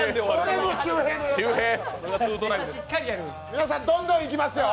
皆さん、どんどんいきますよ。